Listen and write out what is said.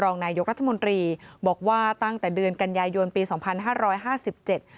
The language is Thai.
เราอย่าหาธมรีบอกว่าตั้งแต่เดือนกันยายโยนพีสองพันห้าร้อยห้าสิบเจ็ด